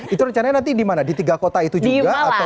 itu rencananya nanti dimana di tiga kota itu juga